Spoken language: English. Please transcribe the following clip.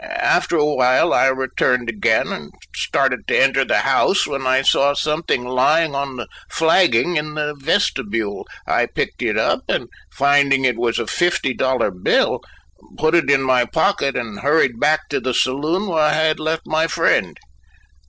After awhile I returned again and started to enter the house when I saw something lying on the flagging in the vestibule. I picked it up, and finding it was a fifty dollar bill, put it in my pocket and hurried back to the saloon where I had left my friend.